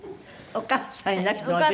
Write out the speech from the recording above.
お母さんいなくても別に。